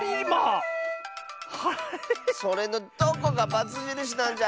それのどこがバツじるしなんじゃ！